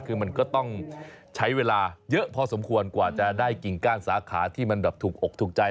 คือมันก็ต้องใช้เวลาเยอะพอสมควรกว่าจะได้กิ่งก้านสาขาที่มันแบบถูกอกถูกใจ